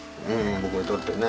僕にとってね。